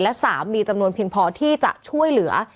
และสามีจำนวนเพียงพอที่จะช่วยเหลือ